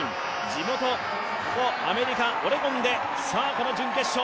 地元、ここアメリカ・オレゴンで準決勝。